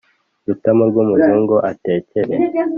Rutamu rw'umuzungu atekere.